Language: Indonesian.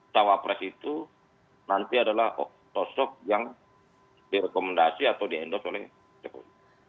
cowok pres itu nanti adalah otosok yang direkomendasi atau diendos oleh jokowi